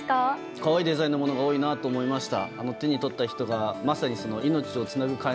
可愛いデザインのものが多いなと思いました。